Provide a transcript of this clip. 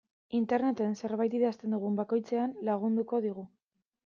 Interneten zerbait idazten dugun bakoitzean lagunduko digu.